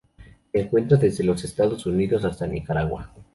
Se encuentra desde los Estados Unidos hasta Nicaragua.